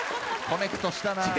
コネクトしたなぁ。